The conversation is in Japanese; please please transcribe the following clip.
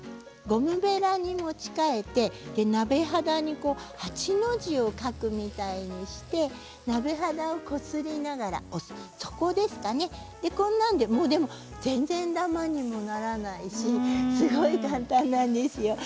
ゴムべらに持ち替えて鍋肌に８の字を描くみたいにして鍋肌をこすりながらそこですかね全然ダマにもならないしすごい簡単なんですよ。